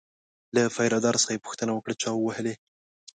له پیره دار څخه یې پوښتنه وکړه چا ووهلی.